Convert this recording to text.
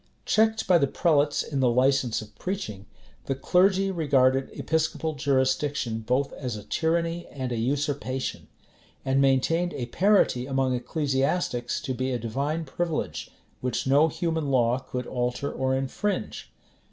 Checked by the prelates in the license of preaching, the clergy regarded episcopal jurisdiction both as a tyranny and a usurpation, and maintained a parity among ecclesiastics to be a divine privilege, which no human law could alter or infringe.